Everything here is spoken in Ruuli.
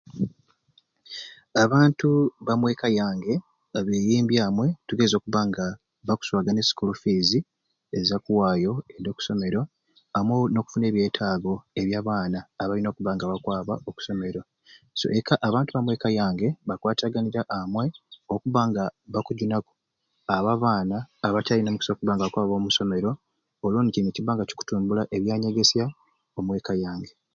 Abantu bamweka yange beyimbya amwei tugeze okuswagana e school fees ezakuwayo edi oku somero amwei nokufuna ebyetaago ebyabaana abayina okuba nga bakwaba oku somero so eka abantu ba mweka yange bakwataganira amwei okuba nga bakujunaku abo abaana abatayina mukisa okuba nga bakwaba oku somero olwoni kini nikyiba nga kikutumbula ebyanyegesya omweka yange